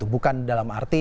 bukan dalam arti